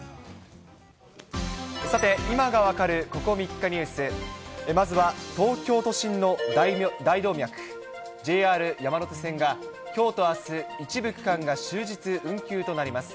さて、今が分かる、ここ３日ニュース、まずは東京都心の大動脈、ＪＲ山手線がきょうとあす、一部区間が終日運休となります。